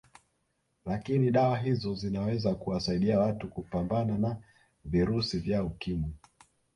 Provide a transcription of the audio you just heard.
Lakini dawa hizo zinaweza kuwasaidia watu kupambana na virusi vya Ukimwi